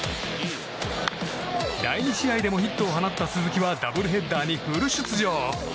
第２試合でもヒットを放った鈴木はダブルヘッダーにフル出場。